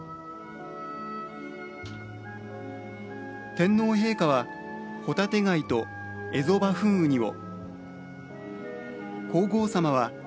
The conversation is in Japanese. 天皇陛下はホタテガイとエゾバフンウニを。